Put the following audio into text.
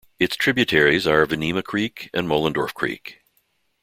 Its tributaries are Venema Creek and Mohlendorph Creek.